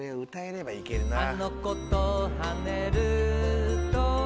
あの子とはねると